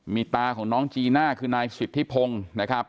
มีตาของน้องจีน่าคือนายสิทธิพงศ์นะครับ